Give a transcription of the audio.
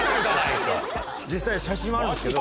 実際写真もあるんですけど。